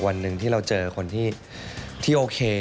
วันหนึ่งที่เราเจอคนที่โอเค